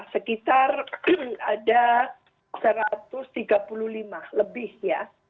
sekitar ada satu ratus tiga puluh lima lebih ya